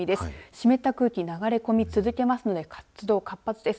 湿った空気流れ込み続けますので活動活発です。